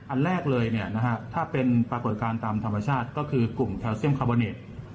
อันแรกเลยถ้าเป็นปรากฏการณ์ตามธรรมชาติก็คือกลุ่มแคลเซียมคาร์โบเนต